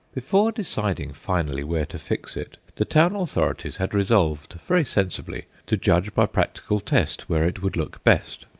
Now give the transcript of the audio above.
Before deciding finally where to fix it, the town authorities had resolved, very sensibly, to judge by practical test where it would look best.